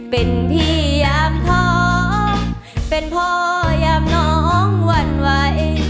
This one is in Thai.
เป็นพี่ยามท้องเป็นพ่อยามน้องหวั่นไหว